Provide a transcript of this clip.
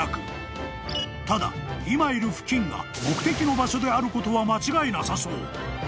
［ただ今いる付近が目的の場所であることは間違いなさそう］